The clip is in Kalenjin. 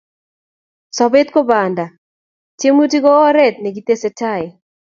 Sopet ko panda, tiemutik ko oret ne kitese tai